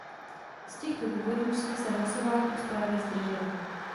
Z těchto důvodů jsme se hlasování o zprávě zdrželi.